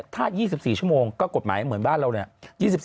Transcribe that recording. ถ้า๒๔ชั่วโมงก็กฎหมายเหมือนบ้านเราเลย